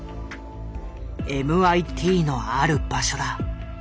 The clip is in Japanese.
ＭＩＴのある場所だ。